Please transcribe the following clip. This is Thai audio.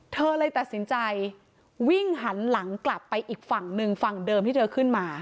เธอเลยตัดสินใจวิ่งหันหลังกลับไปอีกฝั่งหนึ่งฝั่งเดิมที่เธอขึ้นมา